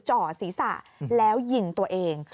จ่อศีรษะแล้วยิงตัวเอง